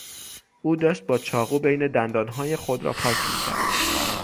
او داشت با چاقو بین دندانهای خود را پاک میکرد.